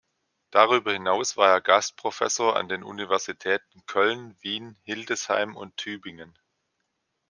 Darüber hinaus war er Gastprofessor an den Universitäten Köln, Wien, Hildesheim und Tübingen.